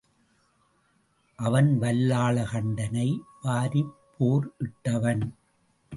அவன் வல்லாள கண்டனை வாரிப் போர் இட்டவன்.